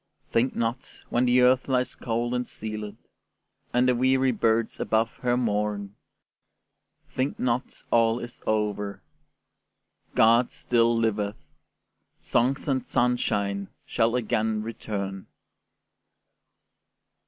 Think not, when the Earth lies cold and sealèd, And the weary birds above her mourn, Think not all is over: God still liveth, Songs and sunshine shall again return.